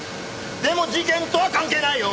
でも事件とは関係ないよ！